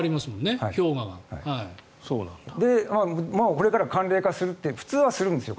これから寒冷化するって普通はこれからするんですよ。